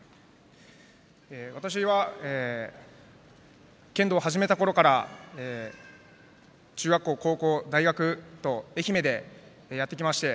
私は剣道を始めたころから中学校、高校、大学と愛媛でやってきまして。